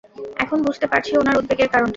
এখন বুঝতে পারছি উনার উদ্বেগের কারণটা!